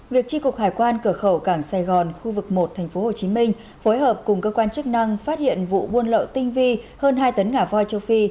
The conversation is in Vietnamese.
việc tri cục hải quan cửa khẩu cảng sài gòn khu vực một tp hcm phối hợp cùng cơ quan chức năng phát hiện vụ buôn lậu tinh vi hơn hai tấn ngà voi châu phi